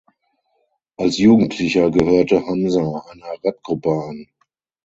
Als Jugendlicher gehörte Hamza einer Rapgruppe an.